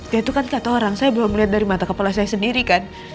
ya itu kan kata orang saya belum melihat dari mata kepala saya sendiri kan